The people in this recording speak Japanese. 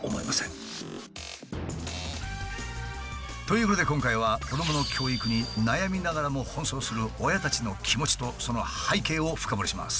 というわけで今回は子どもの教育に悩みながらも奔走する親たちの気持ちとその背景を深掘りします。